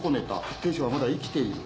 亭主はまだ生きている。